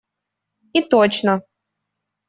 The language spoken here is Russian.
И точно.